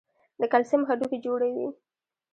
د کلسیم هډوکي جوړوي.